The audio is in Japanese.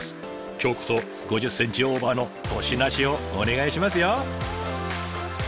今日こそ５０ｃｍオーバーの「年なし」をお願いしますよ！